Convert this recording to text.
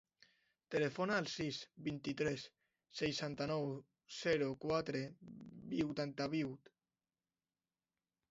Telefona al sis, vint-i-tres, seixanta-nou, zero, quatre, vuitanta-vuit.